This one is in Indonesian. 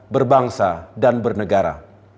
berbangsa dan bernegara